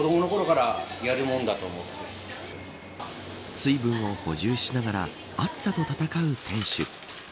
水分を補充しながら暑さと戦う店主。